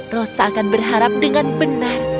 rosa akan berharap dengan benar